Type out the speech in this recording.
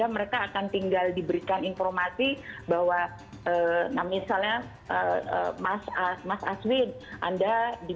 mereka akan tinggal diberikan informasi bahwa misalnya mas aswin anda diminta untuk menjatuhkan apa akan mendapatkan vaksin